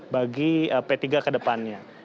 bagi p tiga kedepannya